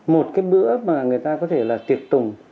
một cái bữa mà người ta có thể là tiệc tùng